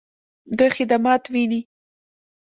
دوی خدمات ویني؟